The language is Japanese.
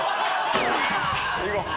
行こう。